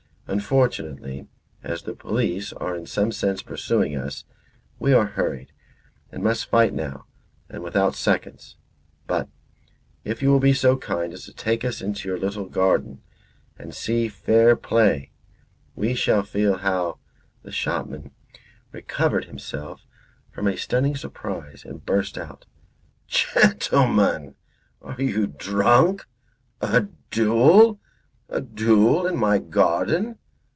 Unfortunately, as the police are in some sense pursuing us, we are hurried, and must fight now and without seconds. But if you will be so kind as to take us into your little garden and see far play, we shall feel how " The shopman recovered himself from a stunning surprise and burst out: "Gentlemen, are you drunk? A duel! A duel in my garden.